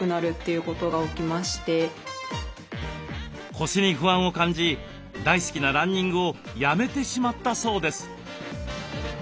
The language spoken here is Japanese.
腰に不安を感じ大好きなランニングをやめてしまったそうです。